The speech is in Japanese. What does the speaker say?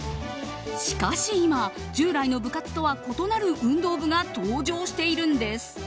しかし今、従来の部活とは異なる運動部が登場しているんです。